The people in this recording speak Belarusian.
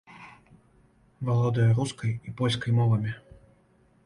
Валодае рускай і польскай мовамі.